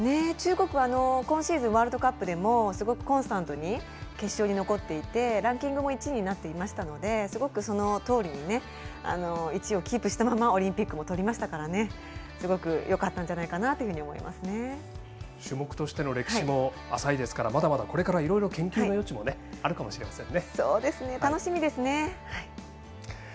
中国は今シーズン、ワールドカップでもすごくコンスタントに決勝に残っていてランキングも１位になっていましたのですごく、そのとおりに１位をキープしたままオリンピックもとりましたからすごくよかったんじゃないかなと種目としての歴史も浅いですからまだまだ、これから研究の余地も楽しみですね。